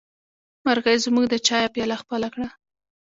مرغۍ زموږ د چايه پياله خپله کړه.